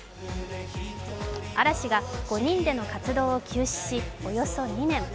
嵐が５人での活動を休止し、およそ２年。